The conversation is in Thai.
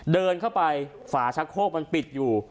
เดินเข้าไปฝาชักโคกมันปิดอยู่